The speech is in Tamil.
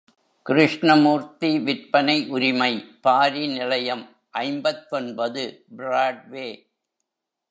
கிருஷ்ணமூர்த்தி விற்பனை உரிமை பாரி நிலையம் ஐம்பத்தொன்பது, பிராட்வே.